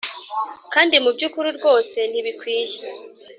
kandi mubyukuri rwose ntabikwiye